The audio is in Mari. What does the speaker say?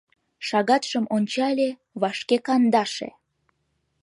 Шагатшым ончале: вашке кандаше.